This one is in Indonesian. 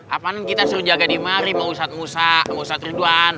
apanya kita suruh jaga di mari pak ustadz musa pak ustadz ridwan